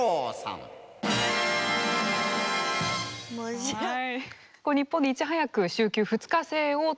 はい。